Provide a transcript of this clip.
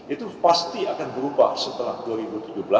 itu pasti akan berubah setelah dua ribu tujuh belas